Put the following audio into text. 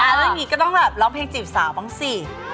อ๋อแล้วอย่างนี้ก็ต้องแบบร้องเพลงจีบสาวบ้างสิ